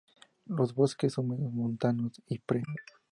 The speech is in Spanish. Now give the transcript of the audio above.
Los bosques húmedos montanos y pre.